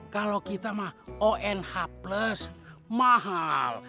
kalau kita mah onh plus mahal